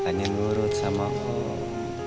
kamu nggak akan nyurut sama om